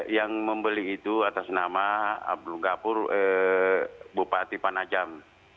yang membeli itu atas nama abdul gapur bupati panajam